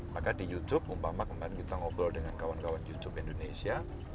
maka di youtube umpama kemarin kita ngobrol dengan kawan kawan youtube indonesia